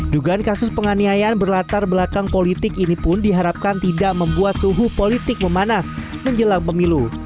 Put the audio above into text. dugaan kasus penganiayaan berlatar belakang politik ini pun diharapkan tidak membuat suhu politik memanas menjelang pemilu